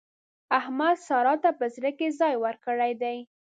احمد سارا ته په زړه کې ځای ورکړی دی.